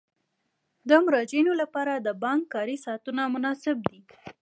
د مراجعینو لپاره د بانک کاري ساعتونه مناسب دي.